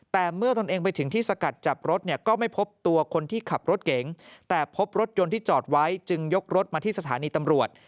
แต่เมื่อตนเองไปถึงที่สกัดจับรถเนี่ยก็ไม่พบตัวคนที่ขับรถเก๋งแต่พบรถยนต์ที่จอดไว้จึงยกรถมาที่สถานีตำรวจ